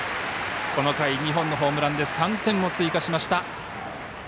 この回、２本のホームランで３点を追加しました。